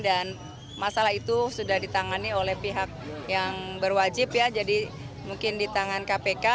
dan masalah itu sudah ditangani oleh pihak yang berwajib ya jadi mungkin di tangan kpk